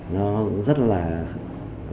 nó rất là khó khăn